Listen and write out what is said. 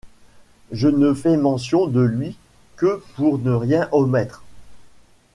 Je ne fais mention de lui que pour ne rien obmettre.